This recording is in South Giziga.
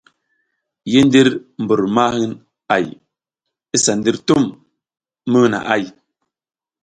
Yi ndir bur ma hin ay,i sa ndir tum mi hina ‘ay.